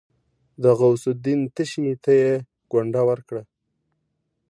د غوث الدين تشي ته يې ګونډه ورکړه.